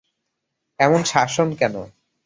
এমন শাসন কেন?